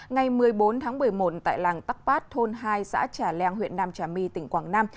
ngày một mươi bốn tháng một mươi một tại làng tắc pát thôn hai xã trà leng huyện nam trà my tỉnh quảng nam